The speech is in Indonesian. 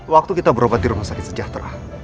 waktu kita berobat di rumah sakit sejahtera